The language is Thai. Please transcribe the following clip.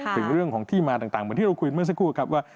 ถึงเรื่องของที่มาต่างเหมือนที่เราคุยเมื่อสักครู่ครับว่า